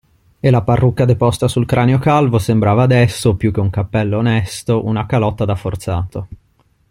E la parrucca deposta sul cranio calvo sembrava adesso, più che un cappello onesto, una calotta da forzato.